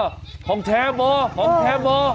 เอ๊ะของแท้ป่ะของแท้ป่ะ